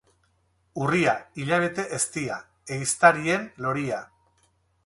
Urria, hilabete eztia, ehiztarien loria.